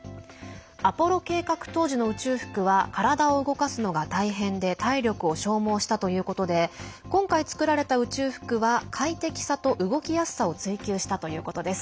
アポロ計画当時の宇宙服は体を動かすのが大変で体力を消耗したということで今回作られた宇宙服は快適さと動きやすさを追求したということです。